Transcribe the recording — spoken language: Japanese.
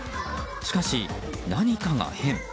しかし、何かが変。